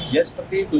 ya seperti itu